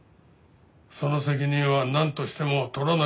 その責任はなんとしても取らなきゃならん。